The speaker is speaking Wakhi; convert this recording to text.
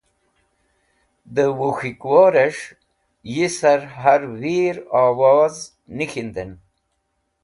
Dẽ wuk̃hikworẽs̃h yisar har wir owoz nik̃hindẽn.